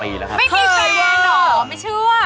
ไม่มีแฟนหรอไม่เชื่อ